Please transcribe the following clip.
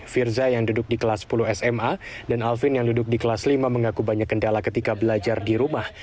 firza yang duduk di kelas sepuluh sma dan alvin yang duduk di kelas lima mengaku banyak kendala ketika belajar di rumah